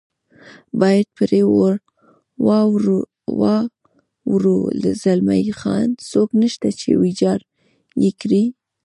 باید پرې واوړو، زلمی خان: څوک نشته چې ویجاړ یې کړي.